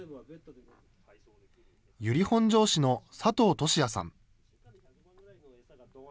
由利本荘市の佐藤俊弥さん。